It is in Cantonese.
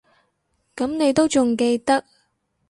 噉你都仲記得